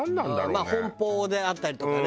まあ奔放であったりとかね